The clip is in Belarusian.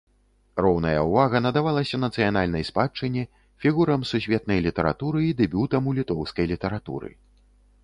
Роўная ўвага надавалася нацыянальнай спадчыне, фігурам сусветнай літаратуры і дэбютам у літоўскай літаратуры.